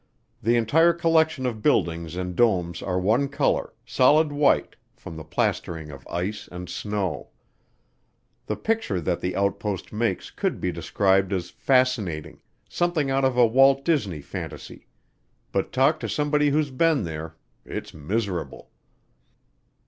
The entire collection of buildings and domes are one color, solid white, from the plastering of ice and snow. The picture that the outpost makes could be described as fascinating, something out of a Walt Disney fantasy but talk to somebody who's been there it's miserable.